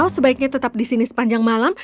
sebaiknya tetap di sini sepanjang malam